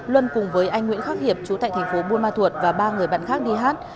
luân cùng với anh nguyễn khắc hiệp chú tại thành phố buôn ma thuột và ba người bạn khác đi hát